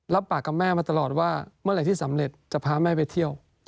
ปากกับแม่มาตลอดว่าเมื่อไหร่ที่สำเร็จจะพาแม่ไปเที่ยว